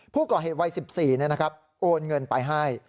ผู้ก่อเหตุวัย๑๔โอนเงินไปให้